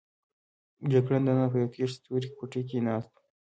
جګړن دننه په یوې تشې تورې کوټې کې ناست و.